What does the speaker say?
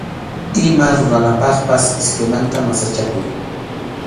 Ima ruranapaqpas iskaymanta masachakuy.